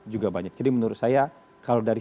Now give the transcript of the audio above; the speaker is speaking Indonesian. juga banyak jadi menurut saya kalau dari